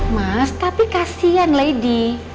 mas tapi kasihan lady